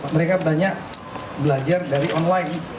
mereka banyak belajar dari online